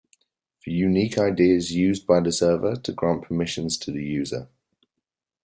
The unique id is used by the server to grant permissions to the user.